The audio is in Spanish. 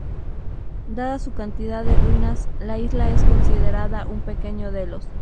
Dada su cantidad de ruinas, la isla es considerada "un pequeño Delos".